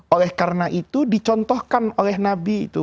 oleh karena itu dicontohkan oleh nabi itu